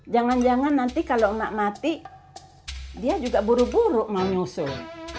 jangan jangan nanti kalau nak mati dia juga buruk buruk mau nyusul